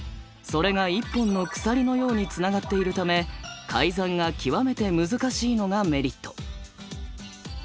それが一本の鎖のようにつながっているため改ざんが極めて難しいのがメリット。